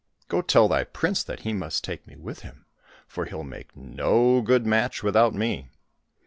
"Go, tell thy prince that he must take me with him, for he'll make no good match without me."